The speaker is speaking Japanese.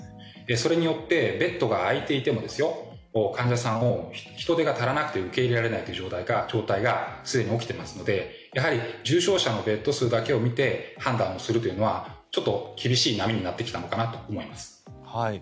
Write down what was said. それによってベッドが空いていても患者さんを人手が足りなくて受け入れられないという状態がすでに起きていますのでやはり、重症者のベッド数だけを見て判断をするのは厳しい波になってきたのかなと思います。